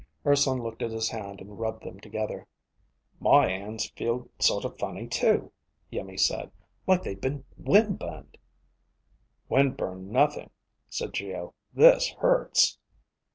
Urson looked at his hand and rubbed them together. "My hands feel sort of funny too," Iimmi said. "Like they've been wind burned." "Wind burned nothing," said Geo. "This hurts."